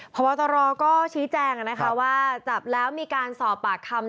พบตรก็ชี้แจงนะคะว่าจับแล้วมีการสอบปากคำ